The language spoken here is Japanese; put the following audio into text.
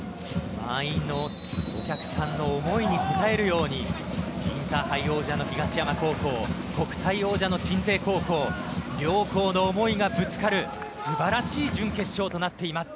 満員のお客さんの思いに応えるようにインターハイ王者の東山高校国体王者の鎮西高校両校の思いがぶつかる素晴らしい準決勝となっています。